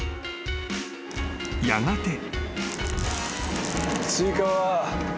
［やがて］